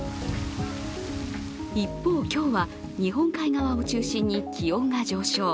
一方、今日は日本海側を中心に気温が上昇。